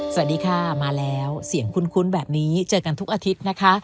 สวัสดีค่ะมาแล้วเสียงคุ้นแบบนี้เจอกันทุกอาทิตย์นะคะ